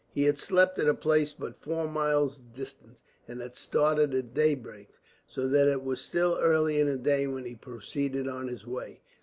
He had slept at a place but four miles distant, and had started at daybreak, so that it was still early in the day when he proceeded on his way.